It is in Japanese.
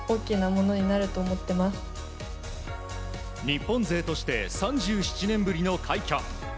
日本勢として３７年ぶりの快挙。